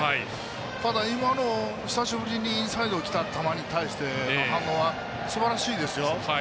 ただ、今の久しぶりにインサイドにきたボールに対しての反応はすばらしいですよ。